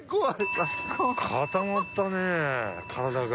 固まったねぇ体が。